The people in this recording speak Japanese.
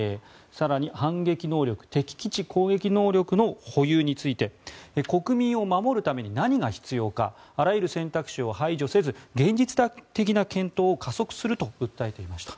更に、反撃能力敵基地攻撃能力の保有について国民を守るために何が必要かあらゆる選択肢を排除せず現実的な検討を加速すると訴えていました。